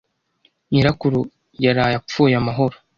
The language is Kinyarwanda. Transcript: Nyirakuru yaraye apfuye amahoro.